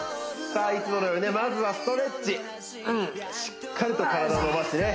さあいつものようにまずはストレッチしっかりと体を伸ばしてね